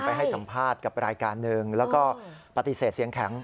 ให้สัมภาษณ์กับรายการหนึ่งแล้วก็ปฏิเสธเสียงแข็ง